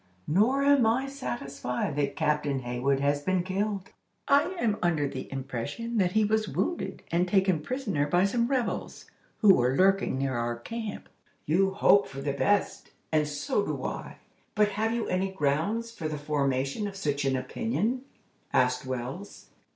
Nor am I satisfied that Captain Hayward has been killed. I am under the impression that he was wounded and taken prisoner by some rebels, who were lurking near our camp." "You hope for the best, and so do I; but have you any grounds for the formation of such an opinion?" asked Wells.